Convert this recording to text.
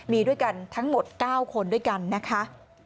มีด้วยกันทั้งหมด๙คนด้วยกันนะคะ